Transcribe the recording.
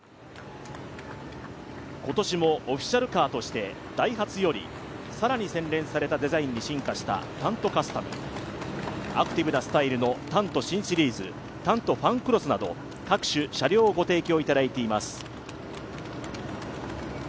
今年もオフィシャルカーとしてダイハツより、更に洗練されたデザインに進化したタントカスタム、アクティブなスタイルのタント新シリーズ、タントファンクロスなど各種車両をご提供いただいています。